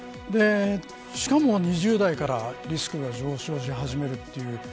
しかも、２０代からリスクが上昇し始めるという。